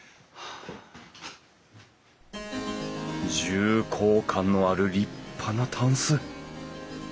重厚感のある立派なたんす。